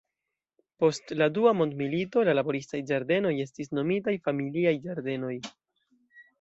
Post la dua mondmilito la laboristaj ĝardenoj estis nomitaj familiaj ĝardenoj.